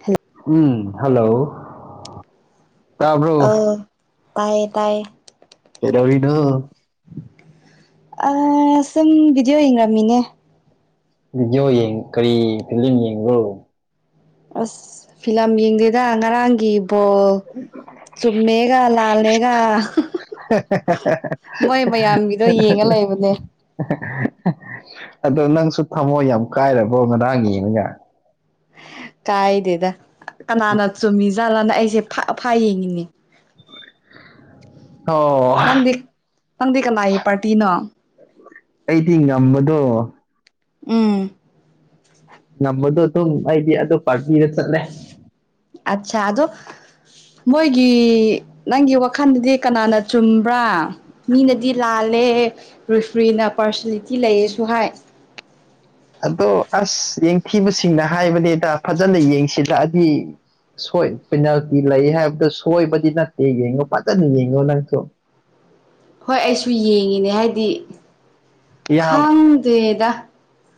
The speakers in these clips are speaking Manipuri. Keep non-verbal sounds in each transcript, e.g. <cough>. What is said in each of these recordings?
ꯍꯦꯜꯂ ꯎꯝ ꯍꯜꯂꯣ ꯇꯥꯕ꯭ꯔꯣ ꯑ ꯇꯥꯏꯌꯦ ꯇꯥꯏꯌꯦ ꯍꯦꯗꯕꯤꯅꯣ ꯁꯨꯝ ꯚꯗꯤꯑꯣ ꯌꯦꯡꯔꯝꯃꯤꯅꯦ ꯕꯤꯗꯤꯑꯣ ꯌꯦꯡ ꯀꯔꯤ ꯐꯤꯂꯝ ꯌꯦꯡꯕꯣ ꯑꯁ ꯐꯤꯂꯝ ꯌꯦꯡꯗꯣꯏꯗ ꯉꯔꯥꯡꯒꯤ ꯕꯣꯜ ꯆꯨꯝꯃꯦꯒ ꯂꯥꯜꯂꯦꯒ ꯃꯣꯏ ꯃꯌꯥꯝꯒꯤꯗꯣ ꯌꯦꯡꯉ ꯂꯩꯕꯅꯦ ꯑꯗꯣ ꯅꯪꯁꯨ ꯊꯝꯃꯣ ꯌꯥꯝ ꯀꯥꯏꯔꯕꯣ ꯉꯥꯡꯒꯤꯅꯒ ꯀꯥꯏꯗꯦꯗ ꯀꯅꯥꯅ ꯆꯨꯝꯃꯤ ꯖꯥꯠꯂꯥꯅ ꯑꯩꯁꯦ ꯐꯥ ꯌꯦꯡꯉꯤꯅꯦ ꯑꯣ ꯅꯪꯗꯤ ꯅꯪꯗꯤ ꯀꯅꯥꯏ ꯄꯥꯔꯇꯤꯅꯣ ꯑꯩꯗꯤ ꯉꯝꯕꯗꯣ ꯎꯝ ꯉꯝꯕꯗꯣ ꯑꯗꯨꯝ ꯑꯩꯗꯤ ꯑꯗꯣ ꯄꯥꯔꯕꯤꯗ ꯆꯠꯂꯦ ꯑꯠꯁꯥ ꯑꯗꯣ ꯃꯣꯏꯒꯤ ꯅꯪꯒꯤ ꯋꯥꯈꯜꯗꯗꯤ ꯀꯅꯥꯅ ꯆꯨꯝꯕ꯭ꯔꯥ ꯃꯤꯅꯗꯤ ꯂꯥꯜꯂꯦ ꯔꯔꯤꯐ꯭ꯔꯤꯅ ꯄꯥꯔꯁꯅꯦꯂꯤꯇꯤ ꯂꯩꯌꯦꯁꯨ ꯍꯥꯏ ꯑꯗꯣ ꯑꯁ ꯌꯦꯡꯊꯤꯕꯁꯤꯡꯅ ꯍꯥꯏꯕꯅꯤꯗ ꯐꯥꯖꯅ ꯌꯦꯡꯁꯤꯜꯂꯛꯑꯗꯤ ꯁꯣꯏ ꯄꯦꯅꯥꯜꯇꯤ ꯂꯩ ꯍꯥꯏꯕꯗꯨ ꯁꯣꯏꯕꯗꯤ ꯅꯠꯇꯦ ꯌꯦꯡꯉꯣ ꯐꯥꯖꯅ ꯌꯦꯡꯉꯣ ꯅꯪꯁꯨ ꯍꯣꯏ ꯑꯩꯁꯨ ꯌꯦꯡꯉꯤꯅꯦ ꯍꯥꯏꯗꯤ ꯌꯥꯝ ꯈꯪꯗꯦꯗ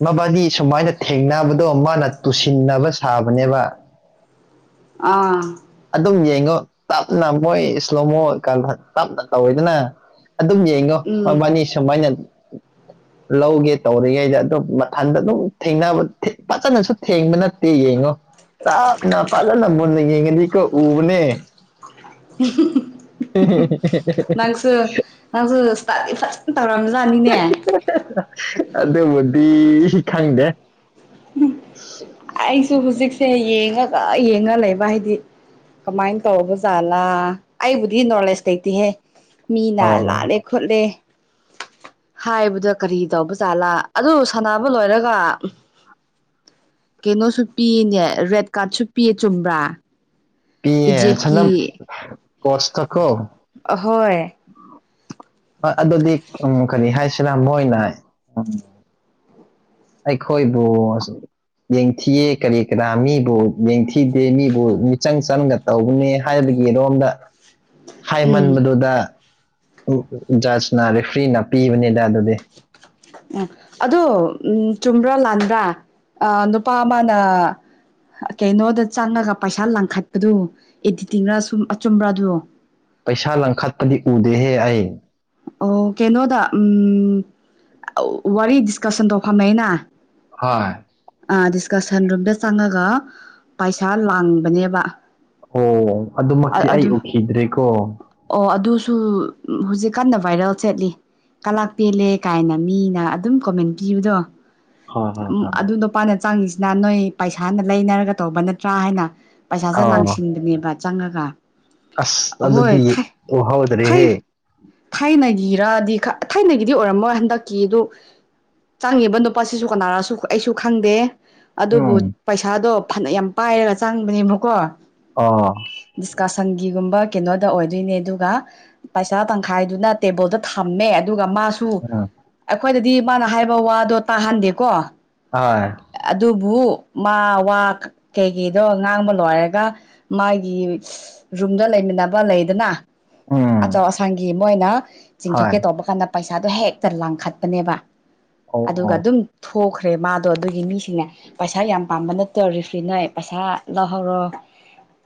ꯃꯕꯥꯅꯤ ꯁꯨꯃꯥꯏꯅ ꯊꯦꯡꯅꯕꯗꯣ ꯃꯥꯅ ꯇꯨꯁꯤꯟꯅꯕ ꯁꯥꯕꯅꯦꯕ ꯑꯥ ꯑꯗꯨꯝ ꯌꯦꯡꯉꯣ ꯇꯞꯅ ꯃꯣꯏ ꯏꯁꯂꯣꯃꯣ ꯇꯞꯅ ꯇꯧꯋꯤꯗꯅ ꯑꯗꯨꯝ ꯌꯦꯡ ꯉꯣ ꯎꯝ ꯃꯣꯏꯕꯥꯅꯤ ꯁꯨꯃꯥꯏꯅ ꯂꯧꯒꯦ ꯇꯧꯔꯤꯉꯩꯗ ꯑꯗꯨꯝ ꯃꯊꯟꯗ ꯑꯗꯨꯝ ꯊꯦꯡꯅꯕ ꯐꯥꯖꯅꯁꯨ ꯊꯦꯡꯕ ꯅꯠꯇꯦ ꯌꯦꯡꯉꯣ ꯇꯥꯞꯅ ꯐꯥꯖꯅ ꯃꯨꯟꯅ ꯌꯦꯡꯅꯗꯤꯀꯣ ꯎꯕꯅꯦ ꯅꯪꯁꯨ ꯅꯪꯁꯨ ꯏꯁꯇꯥꯗꯤ ꯐꯥꯖꯅ ꯇꯧꯔꯝꯖꯥꯠꯅꯤꯅꯦ ꯑꯗꯨꯕꯨꯗꯤ ꯈꯪꯗꯦ ꯑꯩꯁꯨ ꯍꯧꯖꯤꯛꯁꯦ ꯌꯦꯡꯉꯒ ꯌꯦꯡꯉ ꯂꯩꯕ ꯍꯥꯏꯗꯤ ꯀꯃꯥꯏꯅ ꯇꯧꯕ ꯖꯥꯠꯂꯥ ꯑꯩꯕꯨꯗꯤ ꯅꯣꯂꯦꯖ ꯂꯩꯇꯦꯍꯦ ꯃꯤꯅ ꯑꯣ ꯂꯥꯜꯂꯦ ꯈꯣꯠꯂꯦ ꯍꯥꯏꯕꯗ ꯀꯔꯤ ꯇꯧꯕꯖꯥꯠꯂꯥ ꯑꯗꯨ ꯁꯥꯟꯅꯕ ꯂꯣꯏꯔꯒ ꯀꯩꯅꯣꯁꯨ ꯄꯤꯌꯦꯅꯦ ꯔꯦꯠ ꯀꯥꯔꯠꯁꯨ ꯄꯤꯌꯦ ꯆꯨꯝꯕ꯭ꯔꯥ ꯄꯤꯌꯦ ꯏꯖꯤꯞꯀꯤ ꯁꯅꯝ ꯀꯣꯁꯇ ꯀꯣ ꯑꯍꯣꯏ ꯍꯣꯏ ꯑꯗꯨꯗꯤ ꯎꯝ ꯀꯔꯤ ꯍꯥꯏꯁꯤꯔ ꯃꯣꯏꯅ ꯎꯝ ꯑꯩꯈꯣꯏꯕꯨ ꯁꯨ ꯌꯦꯡꯊꯤꯌꯦ ꯀꯔꯤ ꯀꯔꯥ ꯃꯤꯕꯨ ꯌꯦꯡꯊꯤꯗꯦ ꯃꯤꯕꯨ ꯃꯤꯆꯪ ꯆꯪꯅ ꯇꯧꯕꯅꯤ ꯍꯥꯏꯕꯒꯤꯔꯣꯝꯗ ꯎꯝ ꯍꯥꯏꯃꯟꯕꯗꯨꯗ ꯎꯝ ꯖꯥꯁꯅ ꯔꯦꯐ꯭ꯔꯤꯅ ꯄꯤꯕꯅꯤꯗ ꯑꯗꯨꯗꯤ ꯎꯝ ꯑꯗꯣ ꯎꯝ ꯆꯨꯝꯕ꯭ꯔꯥ ꯂꯥꯟꯕ꯭ꯔꯥ ꯑꯥ ꯅꯨꯄꯥ ꯑꯃꯅ ꯀꯩꯅꯣꯗ ꯆꯪꯉꯒ ꯄꯩꯁꯥ ꯂꯥꯡꯈꯠꯄꯗꯨ ꯑꯦꯗꯤꯇꯤꯡꯔ ꯁꯨꯝ ꯑꯆꯨꯝꯕ꯭ꯔꯥꯗꯣ ꯄꯩꯁꯥ ꯂꯪꯈꯠꯄꯗꯤ ꯎꯗꯦꯍꯦ ꯑꯩ ꯑꯣ ꯀꯩꯅꯣꯗ ꯎꯝ ꯋꯥꯔꯤ ꯗꯤꯁꯀꯁꯟ ꯇꯧꯈꯃꯩꯅ ꯍꯣꯏ ꯑꯥ ꯗꯤꯁꯀꯁꯟ ꯔꯨꯝꯗ ꯆꯪꯉꯒ ꯄꯩꯁꯥ ꯂꯥꯡꯕꯅꯦꯕ ꯑꯣ ꯑꯗꯨꯃꯛꯇꯤ ꯑꯗꯨ ꯑꯩ ꯎꯈꯤꯗ꯭ꯔꯦꯀꯣ ꯑꯣ ꯑꯗꯨꯁꯨ ꯍꯧꯖꯤꯛ ꯀꯟꯅ ꯚꯥꯏꯔꯦꯜ ꯆꯠꯂꯤ ꯀꯂꯥꯛ ꯄꯦꯜꯂꯦ ꯀꯥꯏꯅ ꯃꯤꯅ ꯑꯗꯨꯝ ꯀꯣꯃꯦꯟ ꯄꯤꯕꯗꯣ ꯍꯣꯏ ꯍꯣꯏ ꯍꯣꯏ ꯑꯗꯨ ꯅꯨꯄꯥꯥꯅ ꯆꯪꯉꯤꯁꯤꯅ ꯅꯣꯏ ꯄꯩꯁꯥꯅ ꯂꯩꯅꯔꯒ ꯇꯧꯕ ꯅꯠꯇ꯭ꯔꯥ ꯍꯥꯏꯅ ꯄꯩꯁꯥꯁꯦ ꯑꯥꯎ ꯂꯥꯡꯁꯤꯟꯕꯅꯦꯕ ꯆꯪꯉꯒ ꯑꯁ ꯍꯣꯏ ꯑꯗꯨꯗꯤ ꯊꯩ ꯎꯍꯧꯗ꯭ꯔꯦꯍꯦ ꯊꯥꯏꯅꯒꯤꯔꯗꯤ ꯊꯥꯏꯅꯒꯤꯗꯤ ꯑꯣꯏꯔꯝꯃꯣꯏ ꯍꯟꯗꯛꯀꯤꯗꯨ ꯆꯪꯉꯤꯕ ꯅꯨꯄꯥꯁꯤꯁꯨ ꯀꯅꯥꯔꯁꯨ ꯑꯩꯁꯨ ꯈꯪꯗꯦ ꯑꯗꯨꯕꯨ ꯎꯝ ꯄꯩꯁꯥꯗꯣ ꯐꯥꯅꯌꯥꯝ ꯄꯥꯏꯔꯒ ꯆꯪꯕꯅꯦꯕꯀꯣ ꯑꯣ ꯗꯤꯁꯀꯁꯟꯒꯤꯒꯨꯝꯕ ꯀꯩꯅꯣꯗ ꯑꯣꯏꯗꯣꯏꯅꯦ ꯑꯗꯨꯒ ꯄꯩꯁꯥ ꯇꯪꯈꯥꯏꯗꯨꯅ ꯇꯦꯕꯜꯗ ꯊꯝꯃꯦ ꯑꯗꯨꯒ ꯃꯥꯁꯨ ꯎꯝ ꯑꯩꯈꯣꯏꯗꯗꯤ ꯃꯥꯅ ꯍꯥꯏꯕ ꯋꯥꯗꯣ ꯇꯥꯍꯟꯗꯦꯀꯣ ꯍꯣꯏ ꯑꯗꯨꯕꯨ ꯃꯥ ꯋꯥ ꯀꯩꯀꯩꯗꯣ ꯉꯥꯡꯕ ꯂꯣꯏꯔꯒ ꯃꯥꯒꯤ ꯔꯨꯝꯗ ꯂꯩꯃꯤꯟꯅꯕ ꯂꯩꯌꯦꯗꯅ ꯑꯥ ꯊꯥꯡꯒꯤ ꯃꯣꯏꯅ ꯆꯤꯡꯊꯣꯛꯀꯦ ꯇꯧꯕ ꯀꯥꯟꯗ ꯄꯩꯁꯥꯗꯣ ꯍꯦꯛꯇ ꯂꯥꯡꯈꯠꯄꯅꯦꯕ ꯑꯣ ꯑꯗꯨꯒ ꯑꯗꯨꯝ ꯊꯣꯛꯈ꯭ꯔꯦ ꯃꯥꯗꯣ ꯑꯗꯨꯒꯤ ꯃꯤꯁꯤꯡꯅꯦ ꯄꯩꯁꯥ ꯌꯥꯝ ꯄꯥꯝꯕ ꯅꯠ ꯇꯧꯔꯤꯁꯤ ꯅꯣꯏ ꯄꯩꯁꯥ ꯂꯧꯍꯧꯔꯣ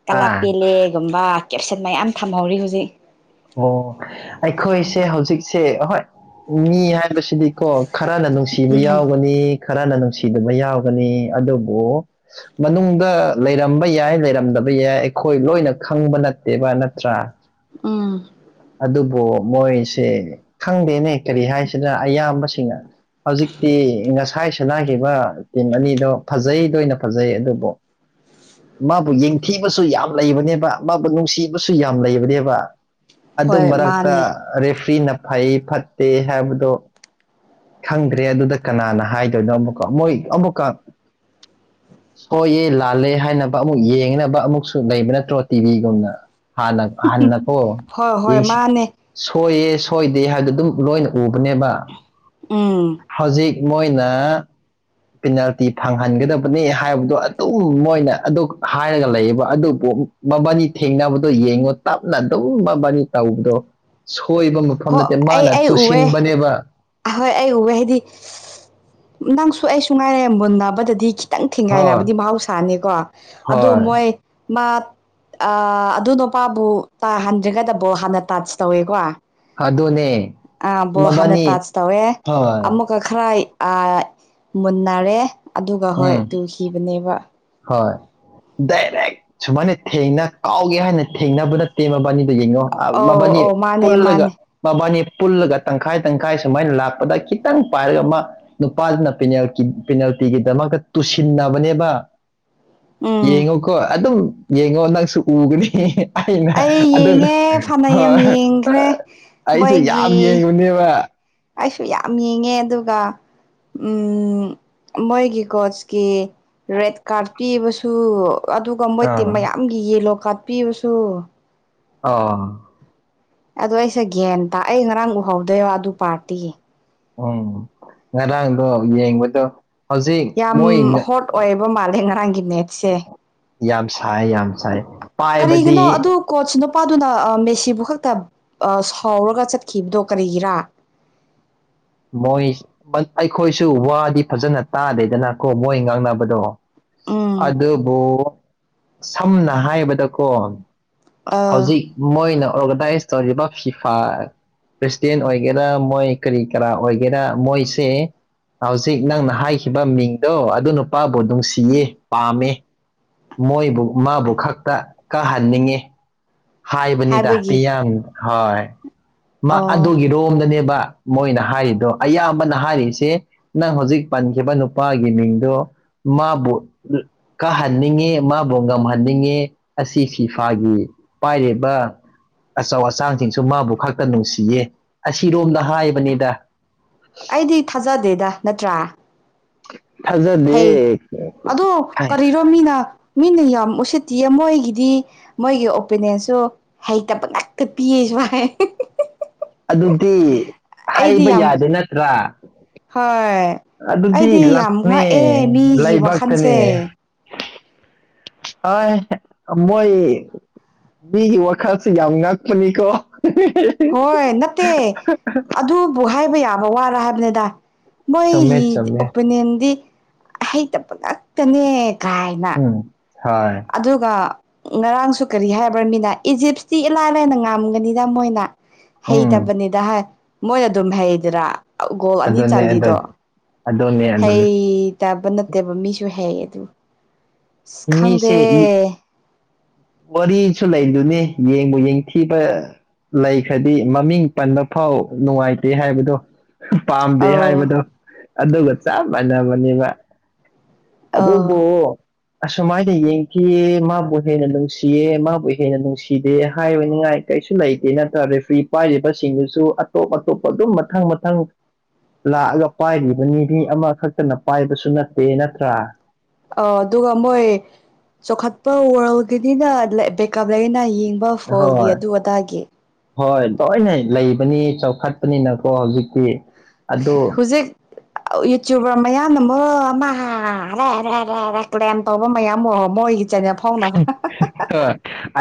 ꯀꯂꯥꯛ ꯑꯥ ꯄꯦꯜꯂꯦꯒꯨꯝꯕ ꯀꯦꯞꯁꯦꯟ ꯃꯌꯥꯝ ꯊꯝꯍꯧꯔꯤ ꯍꯧꯖꯤꯛ ꯑꯣ ꯑꯩꯈꯣꯏꯁꯦ ꯍꯧꯖꯤꯛꯁꯦ ꯍꯣꯏ ꯃꯤ ꯍꯥꯏꯕꯁꯤꯗꯤꯀꯣ ꯈꯔꯅ ꯅꯨꯡꯁꯤꯕ ꯎꯝ ꯌꯥꯎꯒꯅꯤ ꯈꯔꯅ ꯅꯨꯡꯁꯤꯗꯕ ꯌꯥꯎꯒꯅꯤ ꯑꯗꯨꯕꯨ ꯃꯅꯨꯡꯗ ꯂꯩꯔꯝꯕ ꯌꯥꯏ ꯂꯩꯔꯝꯗꯕ ꯌꯥꯏ ꯑꯩꯈꯣꯏ ꯂꯣꯏꯅ ꯈꯪꯕ ꯅꯠꯇꯦꯕ ꯅꯠꯇ꯭ꯔꯥ ꯎꯝ ꯑꯗꯨꯕꯨ ꯃꯣꯏꯁꯦ ꯈꯪꯗꯦꯅꯦ ꯀꯔꯤ ꯍꯥꯏꯁꯤꯔ ꯑꯌꯥꯝꯕꯁꯤꯡꯅ ꯍꯧꯖꯤꯛꯇꯤ ꯉꯁꯥꯏ ꯁꯅꯥꯈꯤꯕ ꯇꯤꯝ ꯑꯅꯤꯗꯣ ꯐꯖꯩ ꯂꯣꯏꯅ ꯐꯖꯩ ꯑꯗꯨꯕꯨ ꯃꯥꯕꯨ ꯌꯦꯡꯊꯤꯕꯁꯨ ꯌꯥꯝ ꯂꯩꯕꯅꯦꯕ ꯃꯥꯕꯨ ꯅꯨꯡꯁꯤꯕꯁꯨ ꯌꯥꯝ ꯂꯩꯕꯅꯦꯕ ꯑꯗꯨ ꯍꯣꯏ ꯃꯔꯛꯇ ꯃꯥꯅꯦ ꯔꯦꯐ꯭ꯔꯤꯅ ꯐꯩ ꯐꯠꯇꯦ ꯍꯥꯏꯕꯗꯣ ꯈꯪꯗ꯭ꯔꯦ ꯑꯗꯨꯗ ꯀꯅꯥꯅ ꯍꯥꯏꯗꯣꯏꯅꯣ ꯑꯃꯨꯛꯀ ꯃꯣꯏ ꯑꯃꯨꯛꯀ ꯁꯣꯏꯌꯦ ꯂꯥꯜꯂꯦ ꯍꯥꯏꯅꯕ ꯑꯃꯨꯛ ꯌꯦꯡꯅꯕ ꯑꯃꯨꯛꯁꯨ ꯂꯩꯕ ꯅꯠꯇ꯭ꯔꯣ ꯇꯤꯚꯤꯒꯨꯝꯅ ꯍꯥꯟ ꯍꯥꯟ ꯅꯀꯣ ꯍꯣꯏ ꯍꯣꯏ ꯌꯦꯡꯁꯤ ꯃꯥꯅꯦ ꯁꯣꯏꯌꯦ ꯁꯣꯏꯗꯦ ꯍꯥꯏꯕꯗꯨ ꯂꯣꯏꯅ ꯎꯕꯅꯦꯕ ꯎꯝ ꯍꯧꯖꯤꯛ ꯃꯣꯏꯅ ꯄꯤꯅꯥꯜꯇꯤ ꯐꯪꯍꯟꯒꯗꯕꯅꯤ ꯍꯥꯏꯕꯗꯣ ꯑꯗꯨꯝ ꯃꯣꯏꯅ ꯑꯗꯨ ꯍꯥꯏꯔꯒ ꯂꯩꯌꯦꯕ ꯑꯗꯨꯕꯨ ꯃꯕꯥꯅꯤ ꯊꯦꯡꯅꯕꯗꯣ ꯌꯦꯡꯉꯣ ꯇꯞꯅ ꯑꯗꯨꯝ ꯃꯕꯥꯅꯤ ꯇꯧꯕꯗꯣ ꯁꯣꯏꯕ ꯃꯐꯝ ꯍꯣ ꯅꯠꯇꯦ ꯑꯩ ꯃꯥꯅ ꯑꯩ ꯎꯑꯦ ꯇꯨꯁꯤꯟꯕꯅꯦꯕ ꯑꯍꯣꯏ ꯑꯩ ꯎꯋꯦ ꯍꯥꯏꯗꯤ ꯅꯪꯁꯨ ꯑꯩꯁꯨ ꯉꯥꯏꯔꯦ ꯃꯨꯟꯅꯕꯗꯗꯤ ꯈꯤ ꯇꯪ ꯍꯣꯏ ꯊꯤꯡꯒꯥꯏꯅꯕꯗꯤ ꯃꯍꯧꯁꯥꯅꯤꯀꯣ ꯑꯗꯣ ꯍꯣꯏ ꯃꯣꯏ ꯃꯥ ꯑꯥ ꯑꯗꯨ ꯅꯨꯄꯥꯕꯨ ꯇꯥꯍꯟꯗ꯭ꯔꯤꯀꯟꯗ ꯕꯣꯟ ꯍꯥꯟꯅ ꯇꯥꯁ ꯇꯧꯋꯦꯀꯣ ꯑꯗꯨꯅꯦ ꯑꯥ ꯕꯣꯟ ꯍꯥꯟꯅ ꯃꯕꯥꯅꯤ ꯇꯥꯖ ꯇꯧꯋꯦ ꯍꯣꯏ ꯑꯃꯨꯛ ꯀ ꯈꯔꯥꯏ ꯑ ꯃꯨꯟꯅꯔꯦ ꯑꯗꯨꯒ ꯍꯣꯏ ꯎꯝ ꯇꯨꯈꯤꯕꯅꯦꯕ ꯍꯣꯏ ꯗꯥꯏꯔꯦꯛ ꯁꯨꯃꯥꯏꯅ ꯊꯦꯡꯅ ꯀꯥꯎꯒꯦ ꯍꯥꯏꯅ ꯊꯦꯡꯅꯕ ꯅꯠꯇꯦ ꯃꯕꯥꯅꯤꯗ ꯌꯦꯡꯉꯣ ꯑ ꯑꯧ ꯃꯕꯥꯅꯤ ꯑꯧ ꯃꯥꯅꯦ ꯄꯨꯜꯂꯒ ꯃꯥꯅꯦ ꯃꯕꯥꯅꯤ ꯄꯨꯜꯂꯒ ꯇꯪꯈꯥꯏ ꯇꯪꯈꯥꯏ ꯁꯨꯃꯥꯏꯅ ꯂꯥꯛꯄꯗ ꯈꯤꯇꯪ ꯄꯥꯏꯔꯒ ꯑꯃ ꯅꯨꯄꯥꯗꯨꯅ ꯄꯦꯅꯥꯜꯀꯤ ꯄꯦꯅꯥꯜꯇꯤꯒꯤꯗꯃꯛꯇ ꯇꯨꯁꯤꯟꯅꯕꯅꯦꯕ ꯎꯝ ꯌꯦꯡꯉꯣꯀꯣ ꯑꯗꯨꯝ ꯌꯦꯡꯉꯣ ꯅꯪꯁꯨ ꯎꯒꯅꯤ ꯑꯩꯅ ꯑꯩ ꯑꯗꯨꯅ ꯌꯦꯡꯉꯦ ꯐꯅ ꯌꯥꯝ ꯍꯣꯏ ꯌꯦꯡꯈ꯭ꯔꯦ ꯑꯩꯁꯨ ꯌꯥꯝ ꯃꯣꯏꯒꯤ ꯌꯦꯡꯕꯅꯦꯕ ꯑꯩꯁꯨ ꯌꯥꯝ ꯌꯦꯡꯉꯦ ꯑꯗꯨꯒ ꯎꯝ ꯃꯣꯏꯒꯤ ꯀꯣꯁꯀꯤ ꯔꯦꯠ ꯀꯥꯔꯠ ꯄꯤꯕꯁꯨ ꯑꯗꯨ ꯑꯗꯨꯒ ꯃꯣꯏ ꯇꯤꯝ ꯑꯥ ꯃꯌꯥꯝꯒꯤ ꯌꯦꯂꯣ ꯀꯥꯔꯠ ꯄꯤꯕꯁꯨ ꯑꯣ ꯑꯗꯨ ꯑꯩꯁꯦ ꯒꯌꯥꯟ ꯇꯥ ꯑꯩ ꯉꯔꯥꯡ ꯎꯍꯧꯗꯦꯕ ꯑꯗꯨ ꯄꯥꯔꯇꯤ ꯎꯝ ꯉꯔꯥꯡꯗꯣ ꯌꯦꯡꯕꯗꯣ ꯍꯧꯖꯤꯛ ꯌꯥꯝ ꯃꯣꯏ ꯉ- ꯍꯣꯠ ꯑꯣꯏꯕ ꯃꯥꯜꯂꯦ ꯉꯔꯥꯡꯒꯤ ꯃꯦꯠꯁꯦ ꯌꯥꯝ ꯁꯥꯏ ꯌꯥꯝ ꯁꯥꯏ ꯀꯔꯤꯒꯤꯅꯣ ꯄꯥꯏꯕꯗꯤ ꯑꯗꯨ ꯀꯣꯠꯁ ꯅꯨꯄꯥꯗꯨꯅ ꯑꯥ ꯃꯦꯁꯤꯕꯨ ꯈꯛꯇ ꯑꯥ ꯁꯥꯎꯔꯒ ꯆꯠꯈꯤꯕꯗꯣ ꯀꯔꯤꯒꯤꯔꯥ ꯃꯣꯏ ꯑꯩꯈꯣꯏꯁꯨ ꯋꯥꯗꯤ ꯐꯖꯅ ꯇꯥꯗꯦꯗꯅꯀꯣ ꯃꯣꯏ ꯉꯥꯡꯅꯕꯗꯣ ꯎꯝ ꯑꯗꯨꯕꯨ ꯁꯝꯅ ꯍꯥꯏꯕꯗꯀꯣ ꯑ ꯍꯧꯖꯤꯛ ꯃꯣꯏꯅ ꯑꯣꯔꯒꯅꯥꯏꯁ ꯇꯧꯔꯤꯕ ꯐꯤꯐꯥ ꯄ꯭ꯔꯁꯤꯗꯦꯟ ꯑꯣꯏꯒꯦꯔꯥ ꯃꯣꯏ ꯀꯔꯤ ꯀꯔꯥ ꯑꯣꯏꯒꯦꯔꯥ ꯃꯣꯏꯁꯦ ꯍꯧꯖꯤꯛ ꯅꯪꯅ ꯍꯥꯏꯈꯤꯕ ꯃꯤꯡꯗꯣ ꯑꯗꯨ ꯅꯨꯄꯥꯕꯨ ꯅꯨꯡꯁꯤꯌꯦ ꯄꯥꯝꯃꯦ ꯃꯣꯏꯕꯨ ꯃꯥꯕꯨ ꯈꯛꯇ ꯀꯥꯍꯟꯅꯤꯡꯉꯦ ꯍꯥꯏꯕꯅꯤꯗ ꯍꯥꯏꯕꯒꯤ ꯃꯤꯌꯥꯝꯡ ꯍꯣꯏ ꯃꯥ ꯑꯣ ꯑꯗꯨꯒꯤ ꯔꯣꯝꯗꯅꯦꯕ ꯃꯣꯏꯅ ꯍꯥꯏꯔꯤꯗꯣ ꯑꯌꯥꯝꯕꯅ ꯍꯥꯏꯔꯤꯁꯦ ꯅꯪ ꯍꯧꯖꯤꯛ ꯄꯟꯈꯤꯕ ꯅꯨꯄꯥꯒꯤ ꯃꯤꯡꯗꯣ ꯃꯥꯕꯨ ꯀꯥꯍꯟꯅꯤꯡꯉꯦ ꯃꯥꯕꯨ ꯉꯝꯍꯟꯅꯤꯡꯉꯦ ꯑꯁꯤ ꯐꯤꯐꯥꯒꯤ ꯄꯥꯏꯔꯤꯕ ꯑꯆꯧ ꯑꯆꯥꯡꯁꯤꯡꯁꯨ ꯃꯥꯕꯨ ꯈꯛꯇ ꯅꯨꯡꯁꯤꯌꯦ ꯑꯁꯤꯔꯣꯝꯗ ꯍꯥꯏꯕꯅꯤꯗ ꯑꯩꯗꯤ ꯊꯥꯖꯗꯦꯗ ꯅꯠꯇ꯭ꯔꯥ <unintelligible> ꯍꯩ ꯊꯥꯖꯗꯦ ꯑꯗꯣ ꯀꯔꯤꯔꯣ ꯃꯤꯅ ꯃꯤꯅ ꯌꯥꯝ ꯎꯁꯤꯠꯇꯤꯌꯦ ꯃꯣꯏꯒꯤꯗꯤ ꯃꯣꯏꯒꯤ ꯑꯣꯄꯤꯅꯤꯌꯟꯁꯨ ꯍꯩꯇꯕ ꯉꯥꯛꯇ ꯄꯤꯌꯦ ꯁꯨꯃꯥꯏ ꯑꯗꯨꯗꯤ ꯍꯥꯏꯕ ꯌꯥꯝ ꯌꯥꯗꯦ ꯅꯠꯇ꯭ꯔꯥ ꯍꯣꯏ ꯑꯗꯨꯗꯤ ꯑꯩꯗꯤ ꯌꯥꯝ ꯂꯥꯛꯅꯦ ꯉꯛꯑꯦ ꯃꯤꯒꯤ ꯂꯩꯕꯥꯛꯇꯅꯦ ꯋꯥꯈꯜꯁꯦ ꯑ ꯃꯣꯏ ꯃꯤꯒꯤ ꯋꯥꯈꯜꯁꯤ ꯌꯥꯝ ꯉꯛꯄꯅꯤꯀꯣ ꯍꯣꯏ ꯅꯠꯇꯦ ꯑꯗꯨꯕꯨ ꯍꯥꯏꯕ ꯌꯥꯕ ꯋꯥꯔ ꯍꯥꯏꯕꯅꯤꯗ ꯃꯣꯏꯒꯤ ꯑꯣꯄꯤꯅꯤꯌꯟꯗꯤ ꯍꯩꯇꯕ ꯉꯥꯛꯇꯅꯦ ꯀꯥꯏꯅ ꯍꯥꯏ ꯑꯗꯨꯒ ꯉꯔꯥꯡꯁꯨ ꯀꯔꯤ ꯍꯥꯏꯕ꯭ꯔ ꯃꯤꯅ ꯏꯖꯤꯞꯁꯇꯤ ꯏꯂꯥꯏ ꯂꯥꯏꯅ ꯉꯝꯒꯅꯤꯗ ꯃꯣꯏꯅ ꯍꯩꯇꯕꯅꯤꯗ ꯍꯥꯏ ꯃꯣꯏꯅ ꯑꯗꯨꯝ ꯍꯩꯗꯔ ꯒꯣꯜ ꯑꯅꯤ ꯆꯜꯂꯤꯜꯂꯤꯗꯣ ꯑꯗꯨꯅꯦ ꯍꯩꯇꯕ ꯅꯠꯇꯦꯕ ꯃꯤꯁꯨ ꯍꯩ ꯑꯗꯨ ꯑꯁ ꯅꯤꯁꯦ ꯈꯪꯗꯦ ꯋꯥꯔꯤꯁꯨ ꯂꯩꯗꯨꯅꯤ ꯌꯦꯡꯕꯨ ꯌꯦꯡꯊꯤꯕ ꯂꯩꯈ꯭ꯔꯗꯤ ꯃꯃꯤꯡ ꯄꯟꯕ ꯐꯥꯎ ꯅꯨꯡꯉꯥꯏꯇꯦ ꯍꯥꯏꯕꯗꯣ ꯄꯥꯝꯗꯦ ꯑꯧ ꯍꯥꯏꯕꯗꯣ ꯑꯗꯨꯒ ꯆꯞ ꯃꯥꯟꯅꯕꯅꯦꯕ ꯑꯧ ꯑꯗꯨꯕꯨ ꯑꯁꯨꯃꯥꯏꯅ ꯌꯦꯡꯊꯤꯌꯦ ꯃꯥꯕꯨ ꯍꯦꯟꯅ ꯅꯨꯡꯁꯤꯌꯦ ꯃꯥꯕꯨ ꯍꯦꯟꯅ ꯅꯨꯡꯁꯤꯗꯦ ꯍꯥꯏꯔꯅꯤꯡꯉꯥꯏ ꯀꯩꯁꯨ ꯂꯩꯇꯦ ꯅꯠꯇ꯭ꯔ ꯔꯦꯐ꯭ꯔꯤ ꯄꯥꯏꯔꯤꯕꯁꯤꯡꯗꯨꯁꯨ ꯑꯇꯣꯞ ꯑꯇꯣꯞꯄ ꯑꯗꯨꯝ ꯃꯊꯪ ꯃꯊꯪ ꯂꯥꯛꯑꯒ ꯄꯥꯏꯔꯤꯕꯅꯤ ꯃꯤ ꯑꯃꯈꯛꯇꯅ ꯄꯥꯏꯕꯁꯨ ꯅꯠꯇꯦ ꯅꯠꯇ꯭ꯔꯥ ꯑ ꯑꯗꯨꯒ ꯃꯣꯏ ꯆꯥꯎꯈꯠꯄ ꯋꯥꯔꯜꯒꯤꯗꯤꯅ ꯕꯦꯀꯞ ꯂꯩꯅ ꯌꯦꯡꯕ ꯐꯣꯜꯒꯤ ꯍꯣꯏ ꯑꯗꯨ ꯑꯗꯥꯒꯤ ꯍꯣꯏ ꯂꯣꯏꯅ ꯂꯩꯕꯅꯤ ꯆꯥꯎꯈꯠꯄꯅꯤꯅꯀꯣ ꯍꯧꯖꯤꯛꯇꯤ ꯑꯗꯨ ꯍꯨꯖꯤꯛ <unintelligible> ꯌꯨꯇ꯭ꯌꯨꯕꯔ ꯃꯌꯥꯝꯅ ꯑꯃ ꯑꯃ ꯀꯂꯦꯝ ꯇꯧꯕ ꯃꯌꯥꯝ ꯑꯃ ꯃꯣꯏꯒꯤ ꯆꯦꯅꯦꯜ ꯐꯥꯎꯅꯥꯕ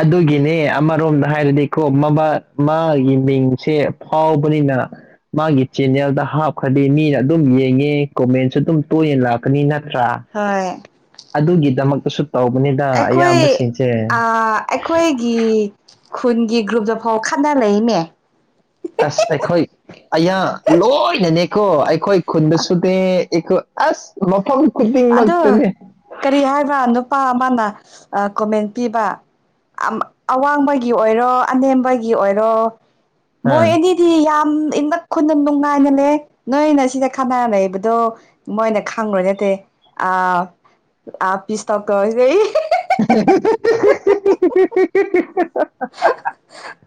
ꯑꯗꯨꯒꯤꯅꯦ ꯑꯃꯔꯣꯝꯗ ꯍꯥꯏꯔꯗꯤꯀꯣ ꯃꯕꯥ ꯃꯥꯒꯤ ꯃꯤꯡꯁꯦ ꯐꯥꯎꯕꯅꯤꯅ ꯃꯥꯒꯤ ꯆꯦꯅꯦꯜꯗ ꯍꯥꯞꯈ꯭ꯔꯗꯤ ꯃꯤꯅ ꯑꯗꯨꯝ ꯌꯦꯡꯉꯦ ꯀꯣꯃꯦꯟꯁꯨ ꯑꯗꯨꯝ ꯇꯣꯏꯅ ꯂꯥꯛꯀꯅꯤ ꯅꯠꯇ꯭ꯔꯥ ꯍꯣꯏ ꯑꯗꯨꯒꯤꯗꯃꯛꯇꯁꯨ ꯇꯧꯕꯅꯤ ꯑꯩꯈꯣꯏ ꯑꯥ ꯑꯩꯈꯣꯏ ꯒꯤ ꯈꯨꯟꯒꯤ ꯒ꯭ꯔꯨꯞꯇꯐꯥꯎ ꯈꯠꯅꯥ ꯂꯩꯌꯦꯅꯦ ꯑꯁ ꯑꯩꯈꯣꯏ ꯑꯌꯥ ꯂꯣꯏꯅꯅꯦꯀꯣ ꯑꯩꯈꯣꯏ ꯈꯨꯟꯗꯁꯨꯅꯦ ꯑꯩꯈꯣ ꯑꯁ ꯃꯐꯝ ꯈꯨꯗꯤꯡꯃꯛꯇꯅꯦ ꯈꯥ ꯅꯨꯄꯥ ꯑꯃꯅ ꯑꯥ ꯀꯣꯃꯦꯟ ꯄꯤꯕ ꯑꯋꯥꯡꯕꯒꯤ ꯑꯣꯏꯔꯣ ꯑꯅꯦꯝꯕꯒꯤ ꯑꯣꯏꯔꯣ ꯃꯣꯏ ꯑꯅꯤ ꯇꯤ ꯌꯥꯝ ꯏꯪꯕ ꯈꯨꯅꯨꯡ ꯅꯨꯡꯉꯥꯏꯅ ꯂꯩꯑꯦ ꯅꯣꯏꯅ ꯁꯤꯗ ꯈꯠꯅꯔ ꯂꯩꯕꯗꯣ ꯃꯣꯏꯅ ꯈꯪꯔꯣꯏ ꯅꯠꯇꯦ ꯑꯥ ꯑꯥ ꯄꯤꯁꯇꯣꯛ ꯇꯧꯔꯖꯦꯌꯦ <unintelligible>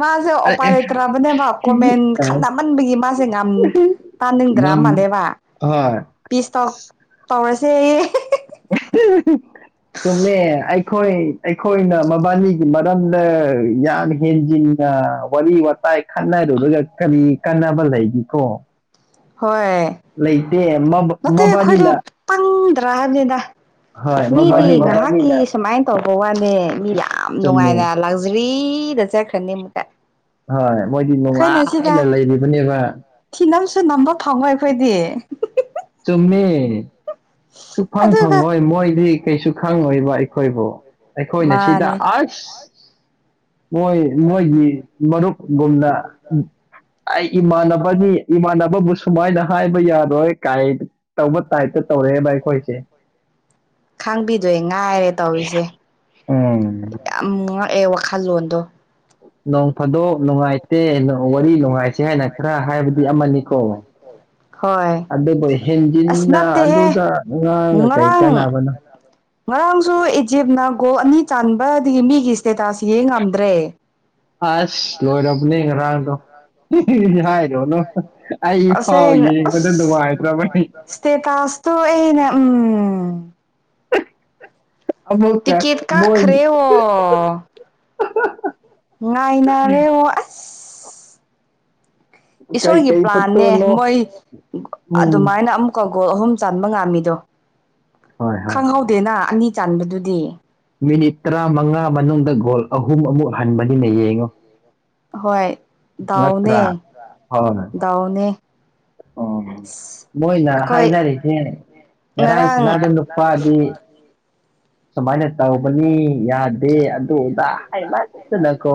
ꯃꯥꯁꯦ ꯑ ꯑꯣꯄꯥ ꯑꯦ ꯂꯩꯇ꯭ꯔꯕꯅꯦꯕ ꯀꯣꯃꯦꯟ ꯑ ꯈꯪꯅꯃꯟꯕꯒꯤ ꯃꯥꯁꯦ ꯉꯥꯝ ꯇꯥꯅꯤꯡꯗ꯭ꯔꯥ ꯉꯝ ꯃꯥꯜꯂꯦꯕ ꯍꯣꯏ ꯄꯤꯁ ꯇꯣꯛ ꯇꯧꯔꯁꯦꯌꯦ <unintelligible> ꯆꯨꯝꯃꯦ ꯑꯩꯈꯣꯏ ꯑꯩꯈꯣꯏꯅ ꯃꯕꯥꯅꯤꯒꯤ ꯃꯔꯝꯗ ꯌꯥꯝ ꯍꯦꯟꯖꯤꯟ ꯑꯥ ꯋꯥꯔꯤ ꯋꯥꯇꯥꯏ ꯈꯠꯅꯔꯨꯔꯒ ꯀꯔꯤ ꯀꯟꯅꯕ ꯂꯩꯒꯤꯀꯣ ꯍꯣꯏ ꯂꯩ ꯅꯠꯇꯦ ꯑꯩꯈꯣꯏꯗꯣ ꯄꯪꯗ꯭ꯔꯥ ꯍꯥꯏꯕꯅꯤꯗ ꯍꯣꯏ ꯃꯤꯗꯤ ꯃꯕꯥꯅꯤꯅ ꯉꯍꯥꯛꯒꯤ ꯁꯨꯃꯥꯏꯅ ꯇꯧꯕ ꯋꯥꯅꯦ ꯃꯤꯗꯤ ꯌꯥꯝ ꯆꯨꯝꯃꯦ ꯅꯨꯡꯉꯥꯏꯅ ꯂꯛꯖꯔꯤꯗ ꯆꯠꯈ꯭ꯅꯤ ꯑꯃꯨꯛꯀ ꯍꯣꯏ ꯃꯣꯏꯗꯤ ꯑꯩꯈꯣꯏꯅ ꯁꯤꯗ ꯅꯨꯡꯉꯥꯏꯅ ꯂꯩꯔꯤꯕꯅꯦꯕ ꯊꯤꯅꯝꯁꯨ ꯅꯝꯕ ꯐꯪꯉꯣꯏ ꯑꯩꯈꯣꯏꯗꯤ ꯆꯨꯝꯃꯦ ꯁꯨꯛꯐꯪ ꯑꯗꯨꯒ ꯐꯪꯉꯣꯏ ꯃꯣꯏꯗꯤ ꯀꯩꯁꯨ ꯈꯪꯉꯣꯏꯕ ꯑꯩꯈꯣꯏꯕꯨ ꯑꯩꯈꯣꯏꯅ ꯁꯤꯗ ꯃꯥꯅꯤ ꯑꯁ ꯃꯣꯏ ꯃꯣꯏꯒꯤ ꯃꯔꯨꯞꯒꯨꯝꯅ ꯑꯩ ꯏꯃꯥꯟꯅꯕꯒꯤ ꯏꯃꯥꯟꯅꯕꯕꯨꯁꯨ ꯗꯨꯃꯥꯏꯅ ꯍꯥꯏꯕ ꯌꯥꯔꯣꯏ ꯀꯥꯏ ꯇꯧꯕ ꯇꯥꯏꯞꯇ ꯇꯧꯔꯛꯑꯦꯕ ꯑꯩꯈꯣꯏꯁꯦ ꯈꯥꯡꯕꯤꯗꯣꯏ ꯉꯥꯏꯔꯦ ꯇꯧꯋꯤꯁꯦ ꯎꯝ ꯌꯥꯝ ꯉꯛꯑꯦ ꯋꯥꯈꯜꯂꯣꯟꯗꯣ ꯅꯣꯡ ꯐꯥꯗꯣꯛ ꯅꯨꯡꯉꯥꯏ ꯇꯦ ꯋꯥꯔꯤ ꯅꯨꯡꯉꯥꯏꯁꯦ ꯍꯥꯏꯅ ꯈꯔ ꯍꯥꯏꯕꯗꯤ ꯑꯃꯅꯤꯀꯣ ꯍꯣꯏ ꯑꯗꯨꯕꯨ ꯑꯁ ꯍꯦꯟꯖꯤꯟꯅ ꯅꯠꯇꯦꯍꯦ ꯑꯗꯨꯗ ꯉꯥꯡꯉ ꯀꯩ ꯉꯔꯥꯡ ꯀꯥꯟꯅꯕꯅꯣ ꯉꯔꯥꯡꯁꯨ ꯏꯖꯤꯞꯅ ꯒꯣꯜ ꯑꯅꯤ ꯆꯥꯟꯕꯗꯒꯤ ꯃꯤꯒꯤ ꯏꯁꯇꯦꯇꯥꯁ ꯌꯦꯡ ꯉꯝꯗ꯭ꯔꯦ ꯑꯁ ꯂꯣꯏꯔꯕꯅꯦ ꯉꯔꯥꯡꯗꯣ ꯍꯥꯏꯔꯨꯅꯨ ꯑꯩꯐꯥꯎ ꯑꯁꯦꯡ ꯌꯦꯡꯕꯗ ꯅꯨꯡꯉꯥꯏꯇ꯭ꯔꯕꯅꯤ ꯇꯣꯛꯑꯦꯅ ꯎꯝ <unintelligible> ꯑꯃꯨꯛꯀ ꯇꯤꯀꯦꯠ ꯃꯣꯏ ꯀꯥꯛꯈꯔꯦꯋꯣ <unintelligible> ꯉꯥꯏꯅꯔꯦꯉꯣ ꯑꯁ ꯏꯁꯣꯔꯒꯤ ꯀꯩꯀꯩ ꯄ꯭ꯂꯥꯟꯅꯦ ꯐꯣꯇꯣꯅꯣ ꯃꯣꯏ ꯎꯝ ꯑꯗꯨꯃꯥꯏꯅ ꯑꯃꯨꯛ ꯀ ꯒꯣꯜ ꯑꯍꯨꯝ ꯆꯥꯟꯕ ꯉꯥꯝꯃꯤꯗꯣ ꯍꯣꯏ ꯍꯣꯏ ꯈꯪꯍꯧꯗꯦꯅ ꯑꯅꯤ ꯆꯥꯟꯕꯗꯨꯗꯤ ꯃꯤꯅꯤꯠ ꯇꯔꯥꯃꯉꯥ ꯃꯅꯨꯡꯗ ꯒꯣꯜ ꯑꯍꯨꯝ ꯑꯃꯨꯛ ꯍꯟꯕꯅꯤꯅ ꯌꯦꯡꯉꯨ ꯍꯣꯏ ꯗꯥꯎꯅꯦ ꯉꯛꯇ꯭ꯔꯥ ꯗꯥꯎꯅꯦ ꯑꯣ ꯃꯣꯏꯅ ꯑꯩꯈꯣꯏ ꯍꯥꯏꯅꯔꯤꯁꯦ ꯉꯔꯥꯡ ꯁꯥꯟꯅꯕ ꯅꯨꯄꯥꯗꯤ ꯁꯨꯃꯥꯏꯅ ꯇꯧꯕꯅꯤ ꯌꯥꯗꯦ ꯑꯗꯨꯗꯥ ꯍꯥꯏꯃꯟꯗꯅꯀꯣ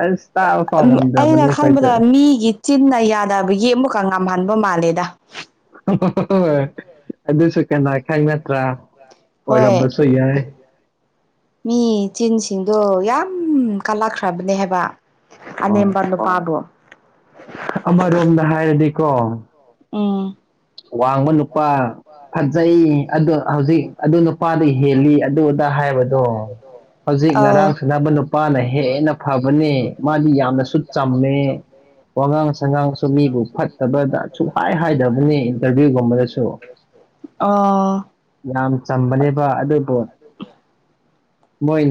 ꯑꯁ ꯇꯥꯕ ꯑꯩꯅ ꯄꯥꯃꯝꯖꯕꯅꯦ ꯈꯣꯢꯁꯨ ꯈꯟꯕꯗ ꯃꯤꯒꯤ ꯆꯤꯟꯅ ꯌꯥꯗꯕꯒꯤ ꯑꯃꯨꯛꯀ ꯉꯥꯝꯍꯟꯕ ꯃꯥꯜꯂꯦꯗ ꯑꯣ ꯍꯣꯏ ꯍꯣꯏ ꯑꯗꯨꯁꯨ ꯀꯅꯥ ꯈꯪ ꯅꯠꯇ꯭ꯔꯥ ꯍꯣꯏ ꯑꯣꯏꯔꯝꯕꯁꯨ ꯌꯥꯏ ꯃꯤ ꯆꯤꯟꯁꯤꯡꯗꯣ ꯌꯥꯝ ꯀꯜꯂꯛꯈ꯭ꯔꯕꯅꯦ ꯍꯥꯏꯕ ꯍꯣꯏ ꯑꯅꯦꯝꯕ ꯅꯨꯄꯥꯗꯣ ꯑꯃꯔꯣꯝꯗ ꯍꯥꯏꯔꯗꯤꯀꯣ ꯎꯝ ꯋꯥꯡꯕ ꯅꯨꯄꯥ ꯐꯖꯩ ꯑꯗꯨ ꯍꯧꯖꯤꯛ ꯑꯗꯨ ꯅꯨꯄꯥꯗꯒꯤ ꯍꯦꯜꯂꯤ ꯑꯗꯨ ꯑꯗ ꯍꯥꯏꯕ ꯑꯗꯣ ꯍꯧꯖꯤꯛ ꯑꯧ ꯉꯔꯥꯡ ꯁꯨꯅꯕ ꯅꯨꯄꯥꯅ ꯍꯦꯟꯅ ꯐꯕꯅꯦ ꯃꯥꯗꯤ ꯌꯥꯝꯅ ꯁꯨꯠ ꯆꯝꯃꯦ ꯋꯥꯉꯥꯡ ꯁꯉꯥꯡꯁꯨ ꯃꯤꯕꯨ ꯐꯠꯇꯕꯗ ꯁꯨꯡꯍꯥꯏ ꯍꯥꯏꯗꯕꯅꯤ ꯏꯟꯇꯔꯚ꯭ꯌꯨꯒꯨꯝꯕꯗꯁꯨ ꯑꯣ ꯌꯥꯝ ꯆꯝꯕꯅꯦꯕ ꯑꯗꯨꯕꯨ ꯃꯣꯏꯅ